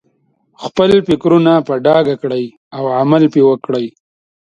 خپل فکرونه په ډاګه کړئ او عمل پرې وکړئ.